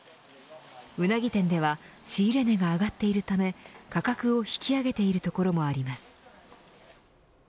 ウナギ店では仕入れ値が上がっているため価格を引き上げている所もあります。